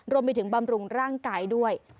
รวมไปถึงบำรุงร่างกายด้วย